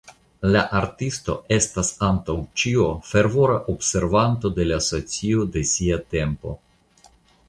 La artisto estas antaŭ ĉio fervora observanto de la socio de sia tempo.